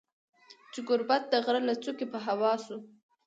چي ګوربت د غره له څوکي په هوا سو